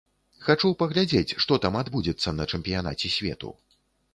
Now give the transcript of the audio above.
Хачу паглядзець, што там адбудзецца на чэмпіянаце свету.